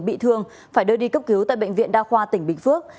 bị thương phải đưa đi cấp cứu tại bệnh viện đa khoa tỉnh bình phước